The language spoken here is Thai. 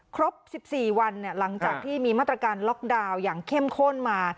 ครบ๑๔วันหลังจากที่มีมาตรการล็อกดาวน์อย่างเข้มข้นมา